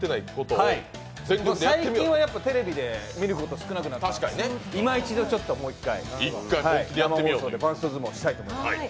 最近はテレビで見ること少なくなりましたので今一度、生放送でパンスト相撲したいと思います。